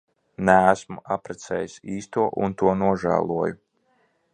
Neesmu apprecējis īsto un to nožēloju.